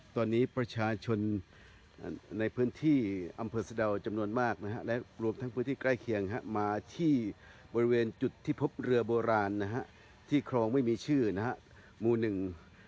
ตอนนี้ประชาชนในพื้นที่อำเภอสะดาวจำนวนมากนะฮะและรวมทั้งพื้นที่ใกล้เคียงมาที่บริเวณจุดที่พบเรือโบราณนะฮะที่ครองไม่มีชื่อนะฮะหมู่หนึ่ง